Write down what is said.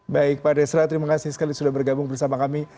baik pak desra terima kasih sekali sudah bergabung bersama kami